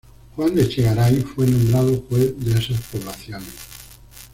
Juan de Echegaray fue nombrado juez de esas poblaciones.